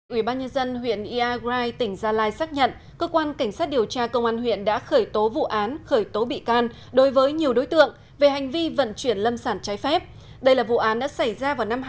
ủy ban nhân dân huyện iagrai tỉnh gia lai xác nhận cơ quan cảnh sát điều tra công an huyện đã khởi tố vụ án khởi tố bị can đối với nhiều đối tượng về hành vi vận chuyển lâm sản trái phép đây là vụ án đã xảy ra vào năm hai nghìn một mươi